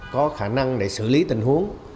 có khả năng để xử lý tình huống